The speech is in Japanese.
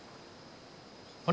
あれ？